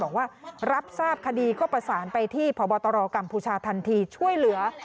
บอกว่ารับทราบคดีก็ประสานไปที่พบตรกัมพูชาทันทีช่วยเหลือ